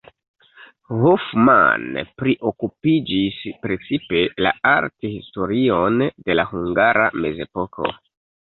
Hoffmann priokupiĝis precipe la arthistorion de la hungara mezepoko.